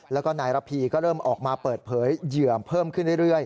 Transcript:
แล้วก็นายระพีก็เริ่มออกมาเปิดเผยเหยื่อเพิ่มขึ้นเรื่อย